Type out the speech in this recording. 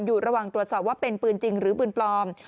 อยู่ระหว่างตรวจสอบว่าเป็นปืนจริงหรือปืนปลอม